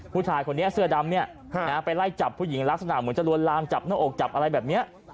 ผู้ชายคนนี้เสื้อดำเนี่ยไปไล่จับผู้หญิงลักษณะเหมือนจะลวนลามจับหน้าอกจับอะไรแบบนี้